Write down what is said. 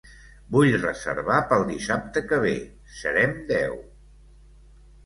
Vull reservar pel dissabte que ve. Serem deu.